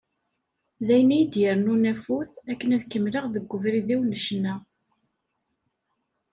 D ayen i yi-d-irennun afud, akken ad kemmleɣ deg ubrid-iw n ccna.